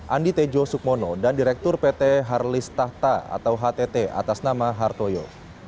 andi tejo sukmono dan direktur pt harlis tahta atau htt atas nama hartoyo